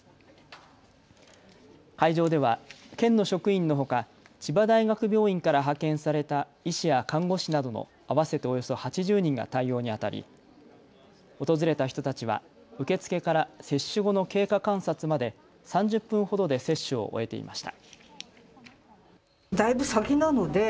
会場では県の職員のほか千葉大学病院から派遣された医師や看護師などの合わせておよそ８０人が対応にあたり訪れた人たちは受け付けから接種後の経過観察まで３０分ほどで接種を終えていました。